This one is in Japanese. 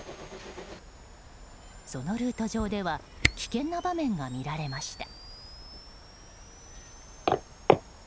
そのルート上では危険な場面が見られました。